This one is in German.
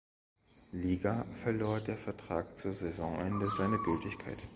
Liga verlor der Vertrag zu Saisonende seine Gültigkeit.